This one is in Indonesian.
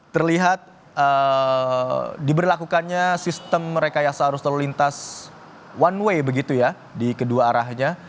terlihat diberlakukannya sistem rekayasa arus lalu lintas one way begitu ya di kedua arahnya